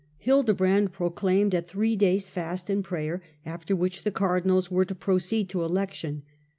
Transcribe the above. Hildebrand proclaimed a three days' April 2?° fast and prayer, after which the cardinals were to proceed to election.